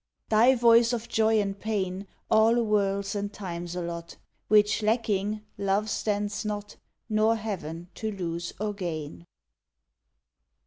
Thy voice of joy and pain All worlds and times allot Which lacking, love stands not, Nor Heaven to lose or gain.